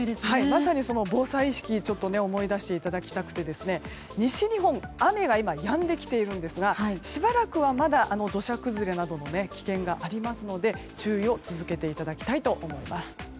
まさに防災意識思い出していただきたくて西日本、雨が今やんできているんですがしばらくは、まだ土砂崩れなどの危険がありますので注意を続けていただきたいと思います。